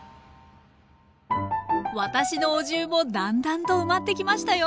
私のお重もだんだんと埋まってきましたよ。